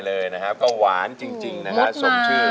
รอหวานจริงสมชื่อ